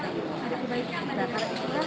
ada kebaikannya karena itulah